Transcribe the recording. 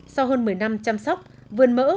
sau hơn một mươi năm chăm sóc vườn mỡ phát triển